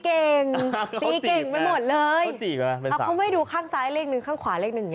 เขาให้ดูข้างซ้ายเรียกหนึ่งข้างขวาเรียกหนึ่ง